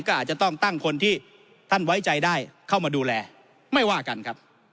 ก็อาจจะต้องตั้งคนที่ท่านไว้ใจได้เข้ามาดูแลไม่ว่ากันครับ